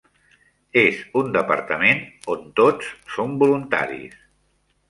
És un departament on tots són voluntaris.